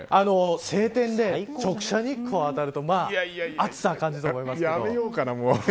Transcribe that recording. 晴天で、直射日光が当たると暑さは感じると思いますけど。